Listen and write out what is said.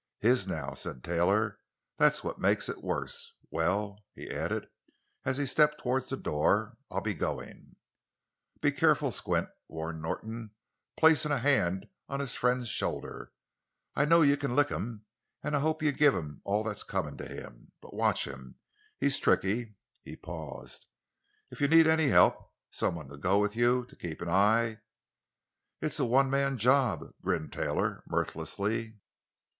"His—now," said Taylor; "that's what makes it worse. Well," he added as he stepped toward the door, "I'll be going." "Be careful, Squint," warned Norton, placing a hand on his friend's shoulder. "I know you can lick him—and I hope you give him all that's coming to him. But watch him—he's tricky!" He paused. "If you need any help—someone to go with you, to keep an eye——" "It's a one man job," grinned Taylor mirthlessly.